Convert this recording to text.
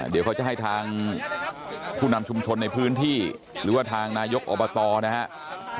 เดี๋ยวเขาจะให้ทางผู้นำชุมชนในพื้นที่หรือว่าทางนายกอบตนะครับ